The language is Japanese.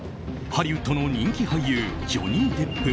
ハリウッドの人気俳優ジョニー・デップ。